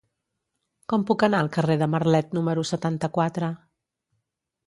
Com puc anar al carrer de Marlet número setanta-quatre?